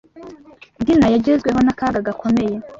Dina yagezweho n’akaga gakomeye